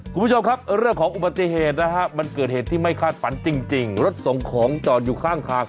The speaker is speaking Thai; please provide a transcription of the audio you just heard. คุณผู้ชมครับเรื่องของอุบัติเหตุนะฮะมันเกิดเหตุที่ไม่คาดฝันจริงรถส่งของจอดอยู่ข้างทาง